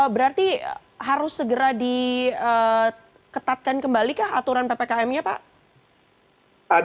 berarti harus segera diketatkan kembali kah aturan ppkm nya pak